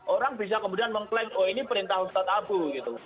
orang bisa kemudian mengklaim oh ini perintah ustadz abu gitu